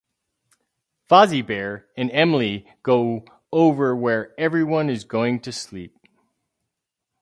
Fozzie Bear and Emily go over where everyone is going to sleep.